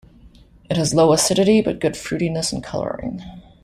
It has low acidity but good fruitiness and coloring.